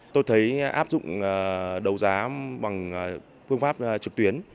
tôi thấy áp dụng đấu giá bằng phương pháp trực tuyến